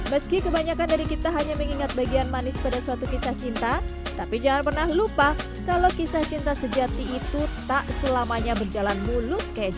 meski kebanyakan dari kita hanya mengingat bagian manis pada suatu kisah cinta tapi jangan pernah lupa kalau kisah cinta sejati itu tak selamanya berjalan mulus